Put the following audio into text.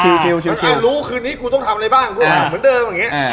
รู้ว่าคืนนี้ต้องทำอะไรบ้างเหมือนเดิม